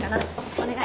お願い。